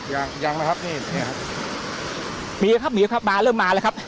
ยังยังไหมครับนี่เนี่ยครับมีครับมีครับมาเริ่มมาแล้วครับ